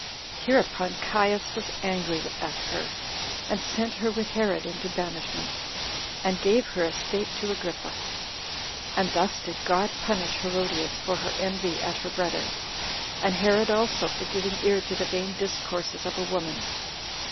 Hereupon Caius was angry at her, and sent her with Herod into banishment, and gave her estate to Agrippa. And thus did God punish Herodias for her envy at her brother, and Herod also for giving ear to the vain discourses of a woman.